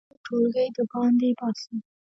نه یې له ټولګي د باندې باسم.